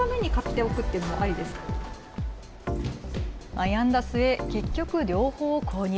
悩んだ末、結局、両方購入。